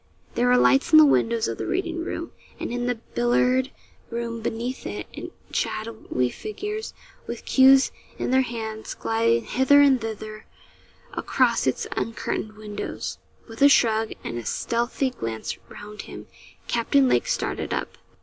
There were lights in the windows of the reading room, and in the billiard room beneath it; and shadowy figures, with cues in their hands, gliding hither and thither, across its uncurtained windows. With a shrug, and a stealthy glance round him, Captain Lake started up.